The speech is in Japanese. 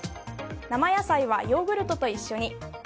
生野菜はヨーグルトと一緒に。